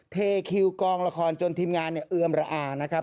เทคิวกองละครจนทีมงานเนี่ยเอือมระอานะครับ